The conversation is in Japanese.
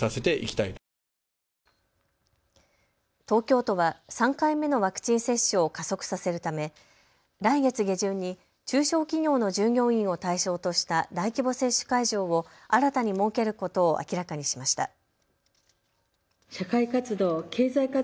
東京都は３回目のワクチン接種を加速させるため来月下旬に中小企業の従業員を対象とした大規模接種会場を新たに設けることを明らかにしました。